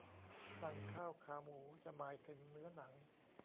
สั่งข้าวขาหมูจะหมายถึงเนื้อหนัง